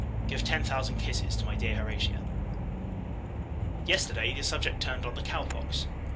Give ten thousand kisses to my dear Horatia. Yesterday, the subject turned on the cow pox.